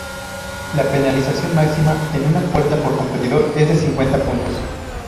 La penalización máxima en una puerta por competidor es de cincuenta puntos.